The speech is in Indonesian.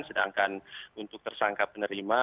sedangkan untuk tersangka penerima